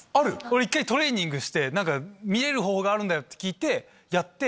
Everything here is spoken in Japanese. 俺一回トレーニングして「見れる方法があるんだよ」って聞いてやって。